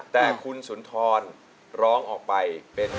แต่คุณสุนทรร้องออกไปเป็น